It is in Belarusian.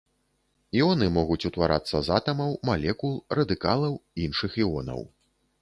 Іоны могуць утварацца з атамаў, малекул, радыкалаў, іншых іонаў.